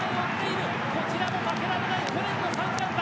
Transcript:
「こちらも負けられない去年の三冠馬」